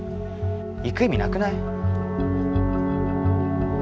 行く意味なくない？